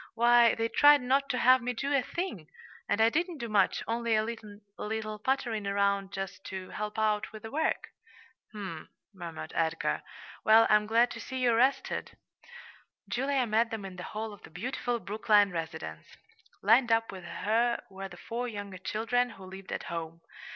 Why, they tried not to have me do a thing and I didn't do much, only a little puttering around just to help out with the work." "Hm m," murmured Edgar. "Well, I'm glad to see you're rested." Julia met them in the hall of the beautiful Brookline residence. Lined up with her were the four younger children, who lived at home.